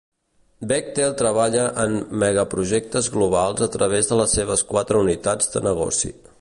Bechtel treballa en megaprojectes globals a través de les seves quatre unitats de negoci.